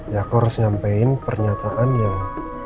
ya aku harus nyampein pernyataan yang